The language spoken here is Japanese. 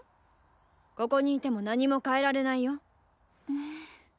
ここにいても何も変えられないよ。